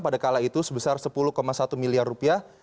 pada kala itu sebesar sepuluh satu miliar rupiah